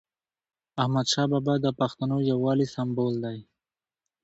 احمدشاه بابا د پښتنو یووالي سمبول دی.